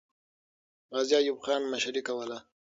غازي ایوب خان مشري کوله.